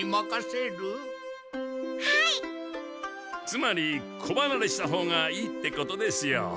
つまり子ばなれしたほうがいいってことですよ。